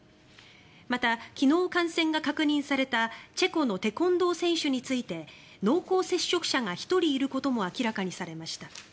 また、昨日感染が確認されたチェコのテコンドー選手について濃厚接触者が１人いることも明らかにされました。